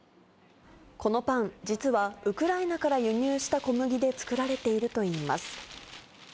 このパン、実はウクライナから輸入した小麦で作られているといいます。